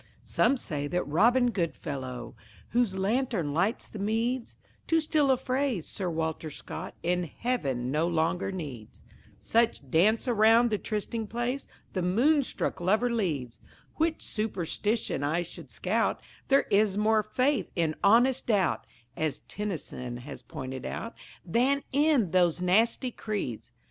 Some say that Robin Goodfellow, Whose lantern lights the meads (To steal a phrase Sir Walter Scott In heaven no longer needs), Such dance around the trysting place The moonstruck lover leads; Which superstition I should scout There is more faith in honest doubt (As Tennyson has pointed out) Than in those nasty creeds.